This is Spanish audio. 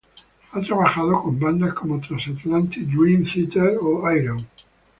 Ha trabajado con bandas como Transatlantic, Dream Theater o Ayreon.